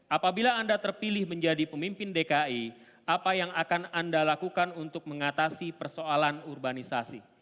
apabila anda terpilih menjadi pemimpin dki apa yang akan anda lakukan untuk mengatasi persoalan urbanisasi